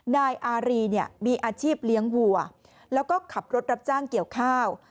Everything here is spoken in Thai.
นายอารีเนี่ยมีอาชีพเลี้ยงวัวแล้วก็ขับรถรับจ้างเกี่ยวข้าว